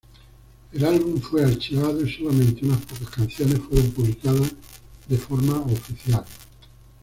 El álbum fue archivado, y solamente unas pocas canciones fueron publicadas de forma oficial.